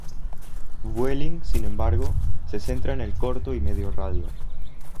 Vueling, sin embargo, se centra en el corto y medio radio.